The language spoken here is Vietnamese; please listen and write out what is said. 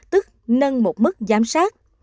tức nâng một mức giám sát